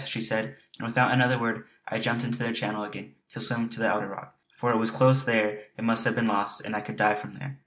she said, and without another word I jumped into the channel again to swim to the outer rock, for it was close there it must have been lost and I could dive from there.